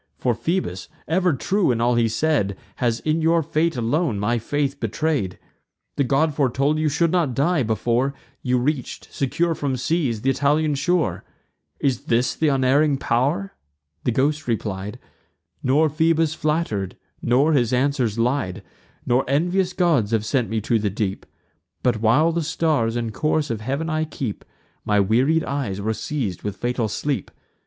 For Phoebus, ever true in all he said, Has in your fate alone my faith betray'd. The god foretold you should not die, before You reach'd, secure from seas, th' Italian shore. Is this th' unerring pow'r?" The ghost replied; "Nor Phoebus flatter'd, nor his answers lied; Nor envious gods have sent me to the deep: But, while the stars and course of heav'n I keep, My wearied eyes were seiz'd with fatal sleep.